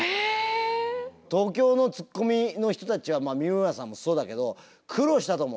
東京のツッコミの人たちは三村さんもそうだけど苦労したと思う。